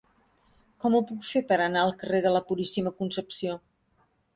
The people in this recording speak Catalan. Com ho puc fer per anar al carrer de la Puríssima Concepció?